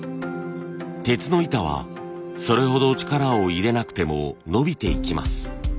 鉄の板はそれほど力を入れなくても伸びていきます。